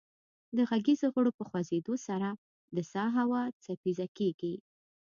د غږیزو غړو په خوځیدو سره د سا هوا څپیزه کیږي